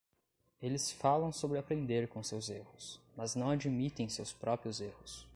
Eles falam sobre aprender com seus erros, mas não admitem seus próprios erros.